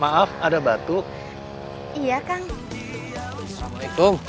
maaf ada batuk iya kang assalamualaikum